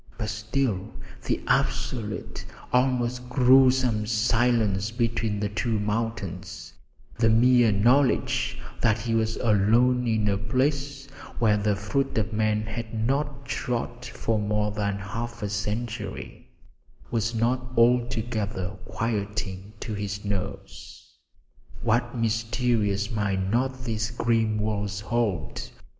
But still, the absolute, almost gruesome silence between the two mountains, the mere knowledge that he was alone in a place where the foot of man had not trod for more than half a century, was not altogether quieting to his nerves. What mysteries might not these grim walls hold?